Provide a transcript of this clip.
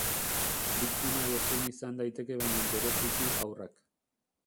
Biktima edozein izan daiteke baina bereziki haurrak.